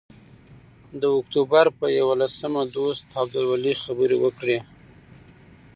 د اکتوبر پر یوولسمه دوست عبدالولي خبرې وکړې.